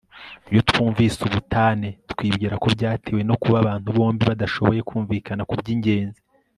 Iyo twumvise ubutane twibwira ko byatewe no kuba abantu bombi badashoboye kumvikana kubyingenzi